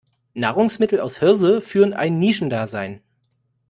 Nahrungsmittel aus Hirse führen ein Nischendasein.